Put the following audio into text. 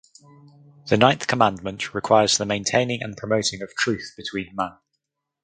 The ninth commandment requires the maintaining and promoting of truth between man